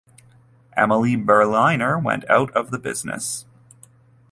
Emile Berliner went out of the business.